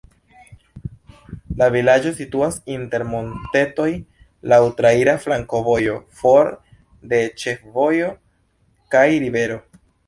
La vilaĝo situas inter montetoj, laŭ traira flankovojo, for de ĉefvojo kaj rivero.